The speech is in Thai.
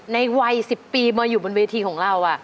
ในวัย๑๐ปีมาอยู่บนเวทีของเรา